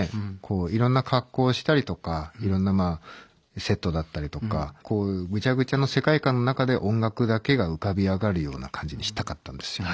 いろんな格好をしたりとかいろんなまあセットだったりとかこうぐちゃぐちゃの世界観の中で音楽だけが浮かび上がるような感じにしたかったんですよ。